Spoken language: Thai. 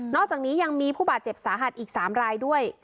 อกจากนี้ยังมีผู้บาดเจ็บสาหัสอีก๓รายด้วย